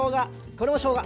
これもしょうが。